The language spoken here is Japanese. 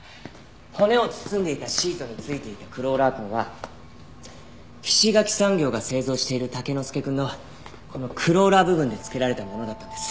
骨を包んでいたシートについていたクローラー痕は菱ヶ木産業が製造しているタケノスケくんのこのクローラー部分でつけられたものだったんです。